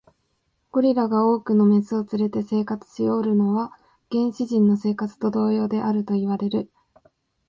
ゴリラが多くの牝を連れて生活しおるのは、原始人の生活と同様であるといわれる。